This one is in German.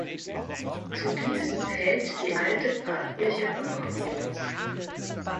Zu diesen zählt die Alte Pfarrkirche von Comrie.